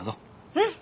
うん！